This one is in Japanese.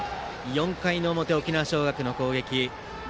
４回の表、沖縄尚学の攻撃。